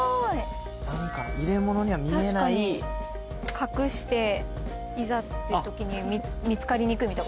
隠していざっていうときに見つかりにくいみたいな。